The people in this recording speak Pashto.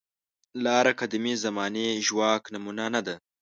لاره قدیمې زمانې ژواک نمونه نه ده.